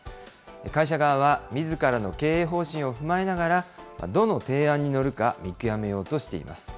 会社側はみずからの経営方針を踏まえながら、どの提案に乗るか、見極めようとしています。